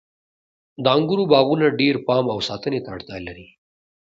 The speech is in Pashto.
د انګورو باغونه ډیر پام او ساتنې ته اړتیا لري.